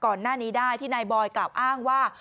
ก่อนหน้านี้ได้ที่นายบอยกล่าวอ้างว่า